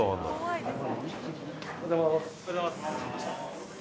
おはようございます。